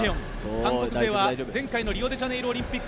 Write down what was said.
韓国勢は前回のリオデジャネイロオリンピック